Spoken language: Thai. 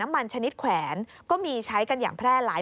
มันชนิดแขวนก็มีใช้กันอย่างแพร่หลาย